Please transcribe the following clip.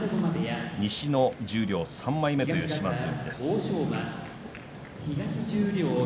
西の十両３枚目という島津海です。